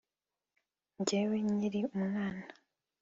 Jyewe nkiri umwana